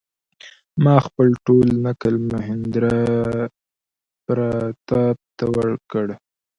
ما خپل ټول نکل مهیندراپراتاپ ته وکړ.